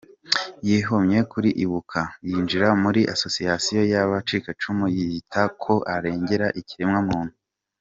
Yihomye kuri Ibuka, yinjira muri association y’abacikacumu yiyita ko arengera ikiremwa muntu.